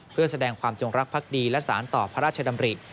เพื่อแสดงความจงรักภักดีและสารต่อพระราชดำริ